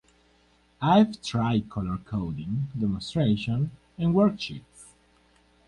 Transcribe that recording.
I’ve tried color coding, demonstration, and worksheets.